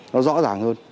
nó rõ ràng hơn